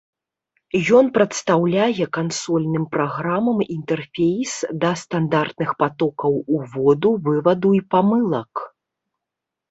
Ён прадстаўляе кансольным праграмам інтэрфейс да стандартных патокаў уводу, вываду і памылак.